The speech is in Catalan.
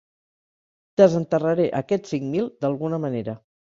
Desenterraré aquests cinc mil d'alguna manera.